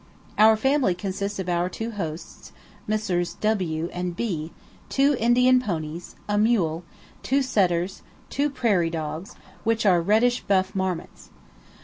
Our family consists of our two hosts, Messrs. W and B , two Indian ponies, a mule, two setters, and two prairie dogs, which are reddish buff marmots.